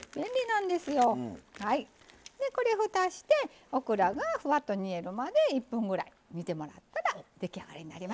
これふたしてオクラがふわっと煮えるまで１分ぐらい煮てもらったら出来上がりになります。